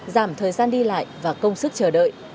giảm thời gian đi lại và công sức chờ đợi